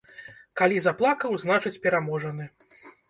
Калі заплакаў, значыць, пераможаны.